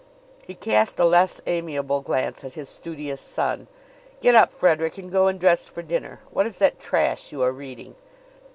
He cast a less amiable glance at his studious son. "Get up, Frederick, and go and dress for dinner. What is that trash you are reading?"